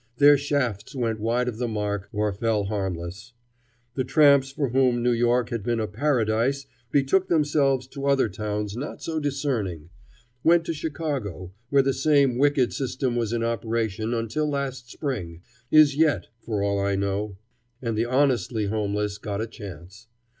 Their shafts went wide of the mark, or fell harmless. The tramps for whom New York had been a paradise betook themselves to other towns not so discerning went to Chicago, where the same wicked system was in operation until last spring, is yet for all I know and the honestly homeless got a chance.